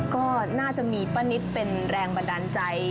ก็น่าจะมีป้านิตเป็นแรงบันดาลใจ